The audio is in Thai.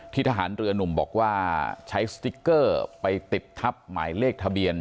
ทหารเรือนุ่มบอกว่าใช้สติ๊กเกอร์ไปติดทับหมายเลขทะเบียน